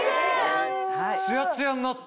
ツヤツヤになった！